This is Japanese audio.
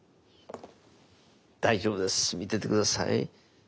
大丈夫です見てて下さい。